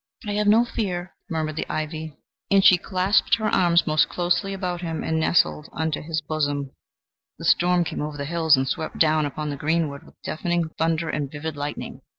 "I have no fear," murmured the ivy; and she clasped her arms most closely about him and nestled unto his bosom. The storm came over the hills and swept down upon the greenwood with deafening thunder and vivid lightning.